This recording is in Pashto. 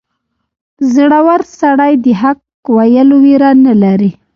• زړور سړی د حق ویلو ویره نه لري.